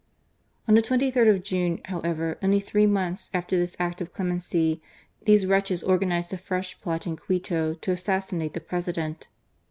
On the 23rd of June, however, only three months after this act of clemency, these wretches organized a firesh plot in Quito to assassinate the President.